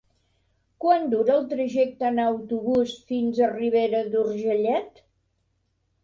Quant dura el trajecte en autobús fins a Ribera d'Urgellet?